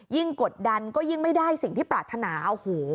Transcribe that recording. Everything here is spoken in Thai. กดดันก็ยิ่งไม่ได้สิ่งที่ปรารถนาโอ้โห